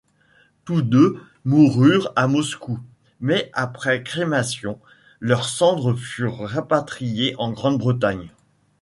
Tous deux moururent à Moscou, mais après crémation, leurs cendres furent rapatriées en Grande-Bretagne.